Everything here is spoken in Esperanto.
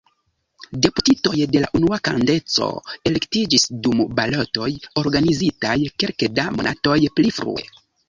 Deputitoj de la unua kadenco elektiĝis dum balotoj organizitaj kelke da monatoj pli frue.